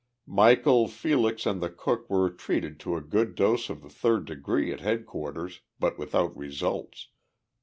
Michel, Felix, and the cook were treated to a good dose of the third degree at headquarters, but without results.